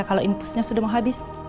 kalau inpusnya sudah mau habis